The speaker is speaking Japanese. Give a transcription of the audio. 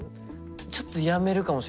ちょっとやめるかもしれないですね。